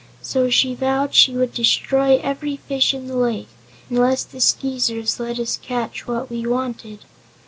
So she vowed she would destroy every fish in the lake, unless the Skeezers let us catch what we wanted.